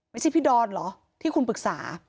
มันใช่พี่ดอนหรอที่คุณปรึกษา